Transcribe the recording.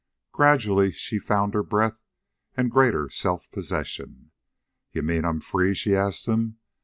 29 Gradually she found her breath and greater self possession. "You mean I'm free?" she asked him.